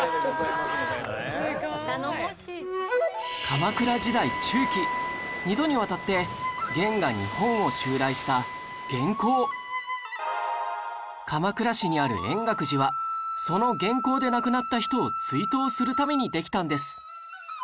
鎌倉時代中期２度にわたって鎌倉市にある円覚寺はその元寇で亡くなった人を追悼するためにできたんです